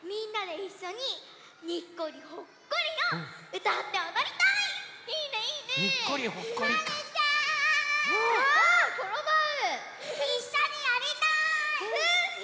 いっしょにやりたい！